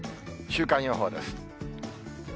週間予報です。